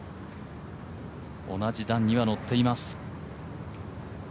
同じ段には乗っています。